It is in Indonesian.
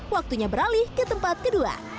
waktunya beralih ke tempat kedua